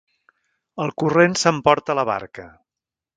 El corrent s'emporta la barca.